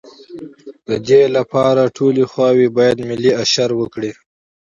د دې لپاره ټولې خواوې باید ملي اشر وکړي.